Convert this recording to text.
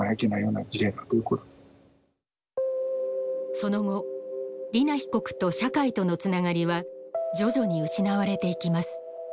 その後莉菜被告と社会とのつながりは徐々に失われていきます。